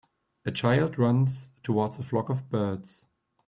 A child runs towards a flock of birds.